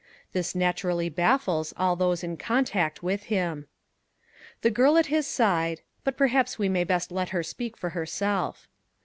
This naturally baffles all those in contact with him. The girl at his side but perhaps we may best let her speak for herself.